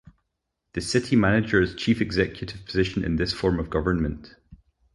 The City Manager is chief executive position in this form of Government.